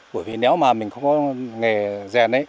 bởi vì nếu mà mình không có nghề rèn ấy